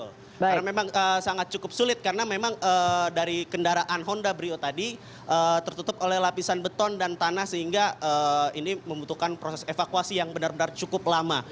karena memang sangat cukup sulit karena memang dari kendaraan honda brio tadi tertutup oleh lapisan beton dan tanah sehingga ini membutuhkan proses evakuasi yang benar benar cukup lama